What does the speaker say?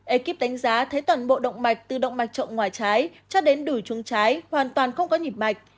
ekip đánh giá thấy toàn bộ động mạch từ động mạch trộm ngoài trái cho đến đùi chuống trái hoàn toàn không có nhịp mạch